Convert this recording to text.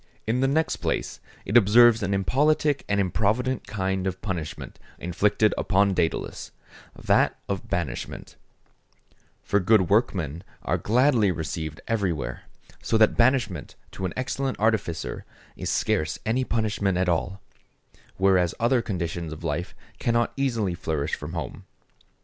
In the next place, it observes an impolitic and improvident kind of punishment inflicted upon Dædalus—that of banishment; for good workmen are gladly received everywhere, so that banishment to an excellent artificer is scarce any punishment at all; whereas other conditions of life cannot easily flourish from home.